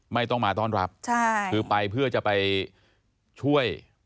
ไม่ต้องมาต้อนรับใช่คือไปเพื่อจะไปช่วย